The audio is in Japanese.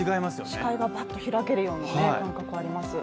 視界がバッと開けるような感覚があります。